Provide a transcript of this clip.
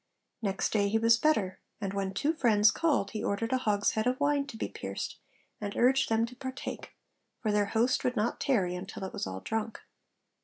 Next day he was better; and when two friends called he ordered a hogshead of wine to be pierced, and urged them to partake, for their host 'would not tarry until it was all drunk.'